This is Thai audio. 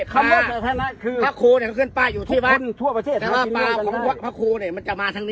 หมายถึงกว่าหากินของสาธารณะรับผิดชอบฮะนะฮะหากินของสาธารณะ